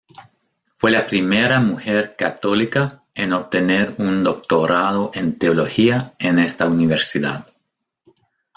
Fue la primera mujer católica en obtener un Doctorado en Teología en esta universidad.